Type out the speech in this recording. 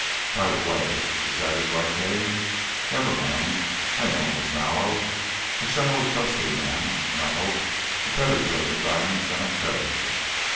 By the way, is that his right name?... Never mind, I know him as Mallow. A shallow, trusting man, and, I hope, a better judge of diamonds than of character.